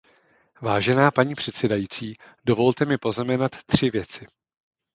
Vážená paní předsedající, dovolte mi poznamenat tři věci.